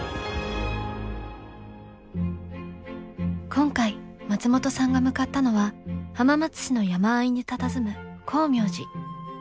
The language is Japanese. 今回松本さんが向かったのは浜松市の山あいにたたずむ光明寺。